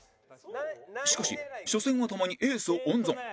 しかし初戦はともにエースを温存